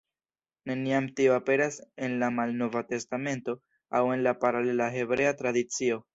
Neniam tio aperas en la Malnova Testamento aŭ en la paralela hebrea tradicio.